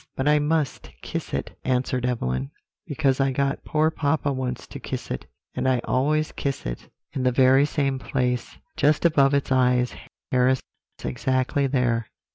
"'But I must kiss it,' answered Evelyn, 'because I got poor papa once to kiss it; and I always kiss it in the very same place, just above its eyes, Harris exactly there.'